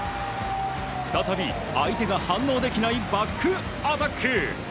再び相手が反応できないバックアタック！